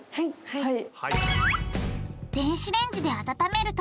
はい。